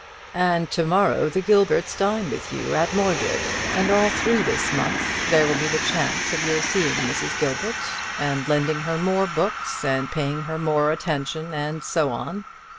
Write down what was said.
"And to morrow the Gilberts dine with you at Mordred; and all through this month there will be the chance of your seeing Mrs. Gilbert, and lending her more books, and paying her more attention; and so on.